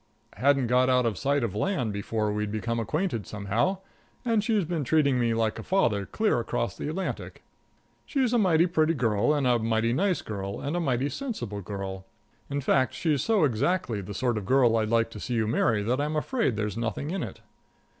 Hadn't got out of sight of land before we'd become acquainted somehow, and she's been treating me like a father clear across the Atlantic. She's a mighty pretty girl, and a mighty nice girl, and a mighty sensible girl in fact she's so exactly the sort of girl I'd like to see you marry that I'm afraid there's nothing in it.